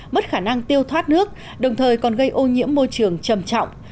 mất khả năng tiêu thoát nước đồng thời còn gây ô nhiễm môi trường trầm trọng